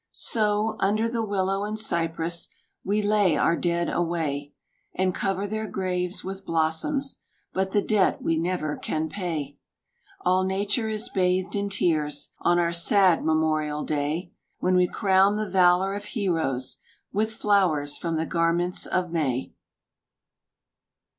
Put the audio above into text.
So, under the willow and cypress We lay our dead away, And cover their graves with blossoms, But the debt we never can pay. All nature is bathed in tears, On our sad Memorial day, When we crown the valour of heroes With flowers from the garments of May.